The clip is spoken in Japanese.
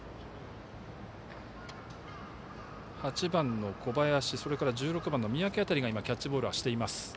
８番の小林、１６番の三宅辺りがキャッチボールしています。